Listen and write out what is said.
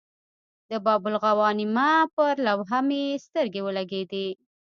د باب الغوانمه پر لوحه مې سترګې ولګېدې.